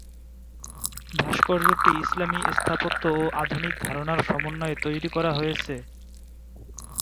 ভাস্কর্যটি ইসলামী স্থাপত্য ও আধুনিক ধারনার সমন্বয়ে তৈরি করা হয়েছে।